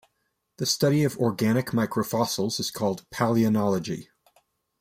The study of organic microfossils is called palynology.